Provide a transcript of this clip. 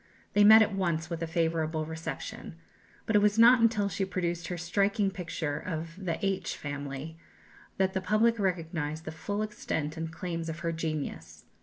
They met at once with a favourable reception. But it was not until she produced her striking picture of "The H Family" that the public recognized the full extent and claims of her genius.